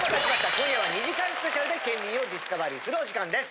今夜は２時間スペシャルで県民をディスカバリーするお時間です。